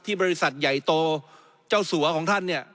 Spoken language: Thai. บริษัทใหญ่โตเจ้าสัวของท่านเนี่ย